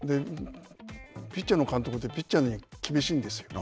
ピッチャーの監督ってピッチャーに厳しいんですよ。